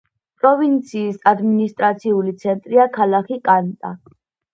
პროვინციის ადმინისტრაციული ცენტრია ქალაქი კანტა.